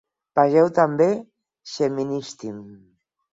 Vegeu també: Xeministim.